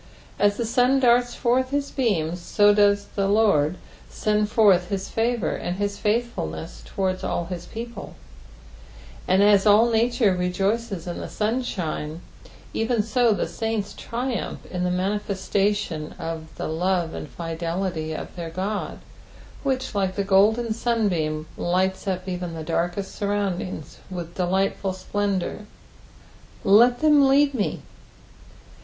As the sun darts forth his beams, so does the Lord send forth his 'favour and his f^thfulueas towards all hia people ; and as all nature rejoicea in the sunshine, even so the saints triumph in the manifestation of the love and fidelity of their God, which, like the golden sunbeam, lights up even the darkest surroundings Tith delightful splendour. "Let them lead me."